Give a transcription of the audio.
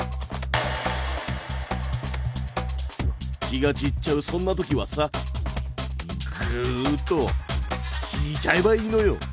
気が散っちゃうそんな時はさぐっと引いちゃえばいいのよ。